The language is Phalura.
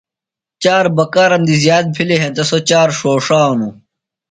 چار بکارم دی زِیات بِھلی ہینتہ سوۡ چار ݜوݜانوۡ۔